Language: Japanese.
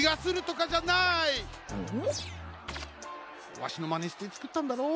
ワシのまねしてつくったんだろ？